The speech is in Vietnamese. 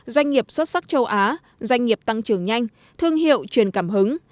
doanh nghiệp xuất sắc châu á doanh nghiệp tăng trưởng nhanh thương hiệu truyền cảm hứng